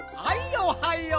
おはよう。